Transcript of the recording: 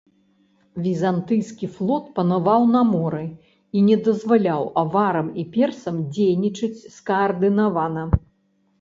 Візантыйскі флот панаваў на моры і не дазваляў аварам і персам дзейнічаць скаардынавана.